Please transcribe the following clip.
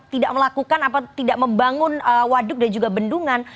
tidak melakukan atau tidak membangun waduk dan juga bendungan